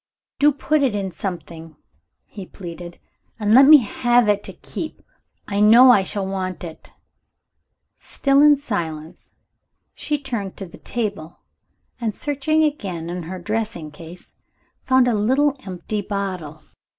"Do put it in something," he pleaded, "and let me have it to keep: I know I shall want it." Still in silence, she turned to the table, and searching again in her dressing case, found a little empty bottle.